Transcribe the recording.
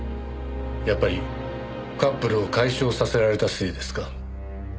やっぱりカップルを解消させられたせいですか？